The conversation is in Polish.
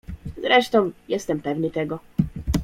"Zresztą, jestem pewny tego."